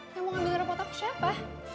yang mau ambil rapat aku siapa